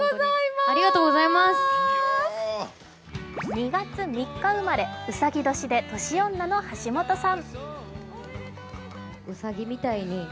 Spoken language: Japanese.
２月３日生まれ、うさぎ年で年女の橋本さん。